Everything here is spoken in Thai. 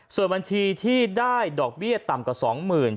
ส่วนบัญชีที่ได้ดอกเบี้ยต่ำกว่า๒๐๐๐บาท